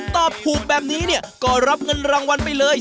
ตอบถูกแบบนี้เนี่ยก็รับเงินรางวัลไปเลย